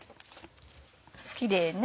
キレイね。